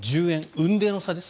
雲泥の差です。